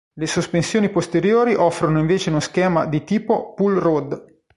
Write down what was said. Le sospensioni posteriori offrono invece uno schema del tipo pull-rod.